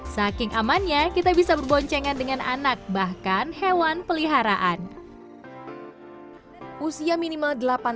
saking amannya kita bisa berboncengan dengan anak bahkan hewan peliharaan usia minimal